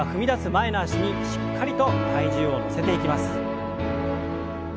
前の脚にしっかりと体重を乗せていきます。